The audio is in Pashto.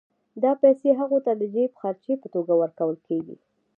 دا پیسې هغوی ته د جېب خرچۍ په توګه ورکول کېږي